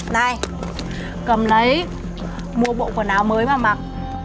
nay cầm lấy mua bộ quần áo mới mà mặc